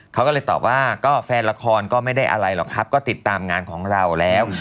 เขาก็เลยตอบว่าก็แฟนละครก็ไม่ได้อะไรหรอกครับก็ติดตามงานของเราแล้ว